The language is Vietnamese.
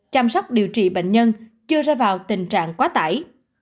chăm sóc điều trị bệnh nhân chưa ra vào tình trạng quá tải